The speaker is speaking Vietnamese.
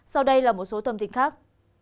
sau đây là một số thông tin khác